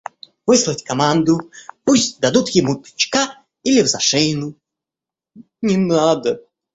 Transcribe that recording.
Выслать команду: пусть дадут ему тычка или взашеину! – Не надо.